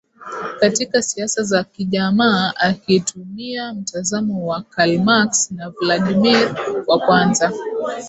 Katika siasa za kijamaa akitumia mtazamo wa Karl Max na Vladimir wa kwanza